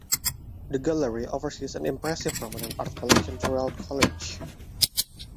The Gallery oversees an impressive permanent art collection throughout College.